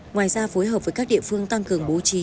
ngoài ra phối hợp với các địa phương tăng cường bố trí